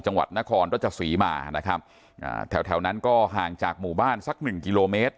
จังหวัดนครรัชศรีมานะครับอ่าแถวแถวนั้นก็ห่างจากหมู่บ้านสักหนึ่งกิโลเมตร